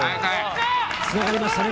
つながりましたね。